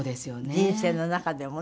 人生の中でもね。